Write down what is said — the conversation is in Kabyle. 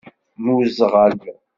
Mmuẓɣel.